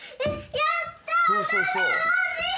やった！